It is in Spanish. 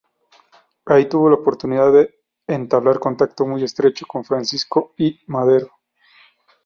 Ahí tuvo la oportunidad de entablar contacto muy estrecho con Francisco I. Madero.